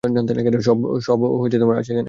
সব আছে এখানে।